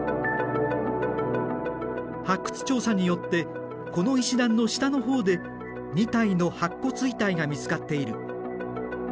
発掘調査によってこの石段の下の方で２体の白骨遺体が見つかっている。